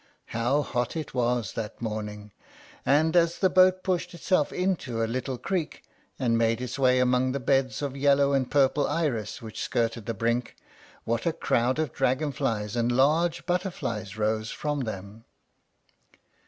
How hot it was that morning! and as the boat pushed itself into a little creek, and made its way among the beds of yellow and purple iris which skirted the brink, what a crowd of dragon flies and large butterflies rose from them!